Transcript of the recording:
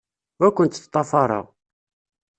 Ur kent-ttḍafareɣ.